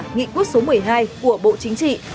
nghị quốc số một mươi hai của bộ chính phủ